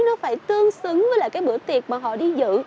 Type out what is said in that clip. nó phải tương xứng với lại cái bữa tiệc mà họ đi dự